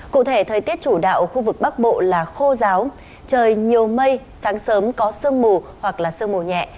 cụ thể thời tiết chủ đạo ở khu vực bắc bộ là khô giáo trời nhiều mây sáng sớm có sương mù hoặc là sương mù nhẹ